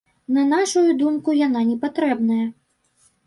На нашую думку, яна непатрэбная.